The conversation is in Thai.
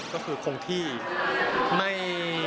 ก็คือคนที่ไม่